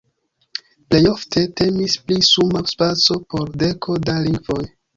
Plej ofte temis pri suma spaco por deko da lingvoj.